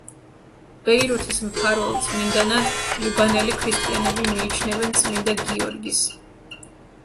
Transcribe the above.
ბეირუთის მფარველ წმინდანად ლიბანელი ქრისტიანები მიიჩნევენ წმინდა გიორგის.